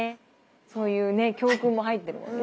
そういうね教訓も入ってるもんね。